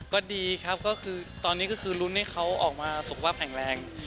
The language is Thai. ก็ดีครับก็คือตอนนี้ก็คือลุ้นให้เขาออกมาสุขภาพแข็งแรง